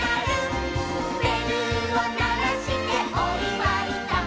「べるをならしておいわいだ」